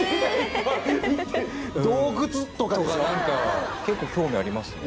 ・洞窟。とか結構興味ありますね。